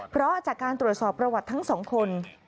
เพราะจากการตรวจสอบประวัติทั้งสองคน